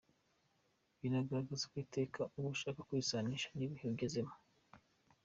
Binagaragaza ko iteka uba ushaka kwisanisha n’ibihe ugezemo.